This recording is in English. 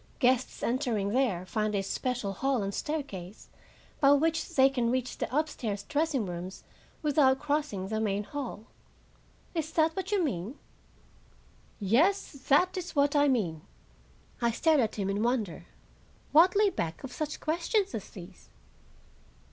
Guests entering there find a special hall and staircase, by which they can reach the upstairs dressing rooms, without crossing the main hall. Is that what you mean?" "Yes, that is what I mean." I stared at him in wonder. What lay back of such questions as these?